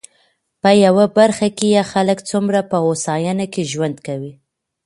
په يوه برخه کې يې خلک څومره په هوساينه کې ژوند کوي.